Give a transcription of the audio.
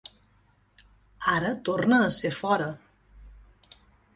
Ara torna a ser fora.